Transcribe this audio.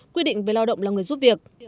quyết định về lao động là người giúp việc